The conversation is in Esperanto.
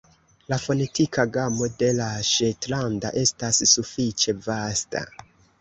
La fonetika gamo de la ŝetlanda estas sufiĉe vasta.